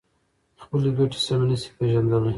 خپلې ګټې سمې نشي پېژندلای.